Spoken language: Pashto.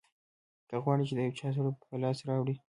که غواړې چې د یو چا زړه په لاس راوړې.